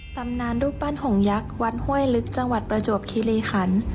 ตำนานรูปปั้นห่งยักษ์วัดห้วยลึกจังหวัดประจวบคิริขัน